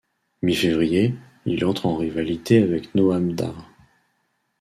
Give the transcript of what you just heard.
Mi-février, il entre en rivalité avec Noam Dar.